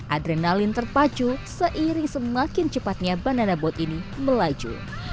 adrenalin terpacu seiring semakin cepatnya banana bot ini melaju